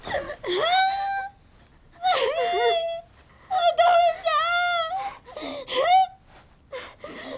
お父ちゃん！